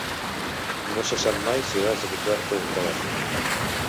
No se sap mai si hauràs de comprar-te un telèfon.